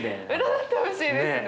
占ってほしいですね。